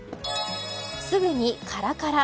すぐにカラカラ。